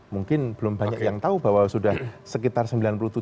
mungkin belum banyak yang tahu bahwa sudah sekitar sembilan puluh tujuh